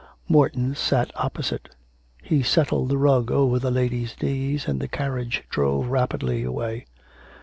Morton sat opposite. He settled the rug over the ladies' knees and the carriage drove rapidly away.